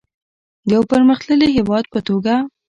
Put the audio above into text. د یو پرمختللي هیواد په توګه.